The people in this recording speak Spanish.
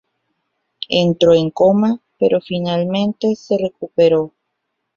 Entró en coma, pero finalmente se recuperó.